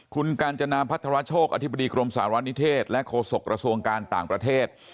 คุณกาญจนาพัทรโชคอธิบดีกรมสารณิเทศและโฆษกระทรวงการต่างประเทศ